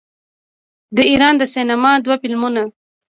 د ایران د سینما دوه فلمونه